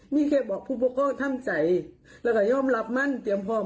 นี่เขาบอกผู้พวกเขาท่ำใจแล้วก็ย่อมรับมั่นเตรียมพร้อม